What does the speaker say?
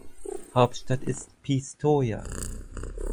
Hauptstadt ist Pistoia.